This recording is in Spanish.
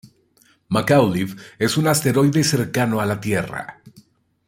McAuliffe es un asteroide cercano a la Tierra.